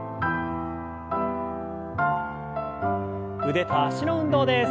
腕と脚の運動です。